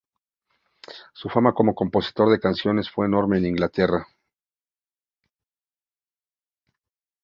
Su fama como compositor de canciones fue enorme en Inglaterra.